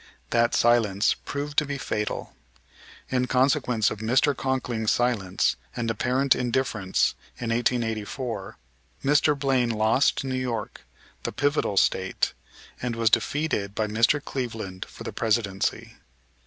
That silence proved to be fatal. In consequence of Mr. Conkling's silence and apparent indifference in 1884, Mr. Blaine lost New York, the pivotal State, and was defeated by Mr. Cleveland for the Presidency.